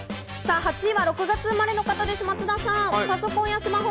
８位は６月生まれの方です、松田さん。